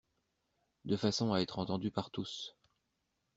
De façon à être entendu par tous.